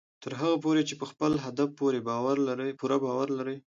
تر هغه پورې چې په خپل هدف پوره باور لرئ